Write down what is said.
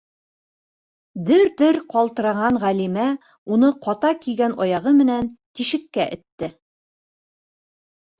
Дер-дер ҡалтыраған Ғәлимә уны ҡата кейгән аяғы менән тишеккә этте.